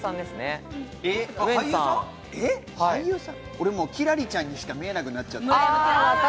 俺もう輝星ちゃんにしか見えなくなっちゃった。